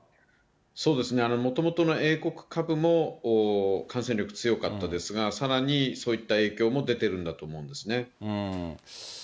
そうですね、もともとの英国株も感染力強かったですが、さらにそういった影響も出てるんだと思うんですね。